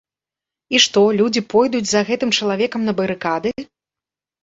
І што, людзі пойдуць за гэтым чалавекам на барыкады?